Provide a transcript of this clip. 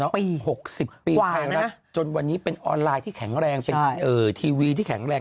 ปี๖๐ปีไทยรัฐจนวันนี้เป็นออนไลน์ที่แข็งแรงเป็นทีวีที่แข็งแรง